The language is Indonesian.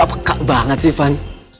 kek banget sih van